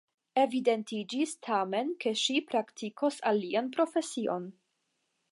Evidentiĝis, tamen, ke ŝi praktikos alian profesion.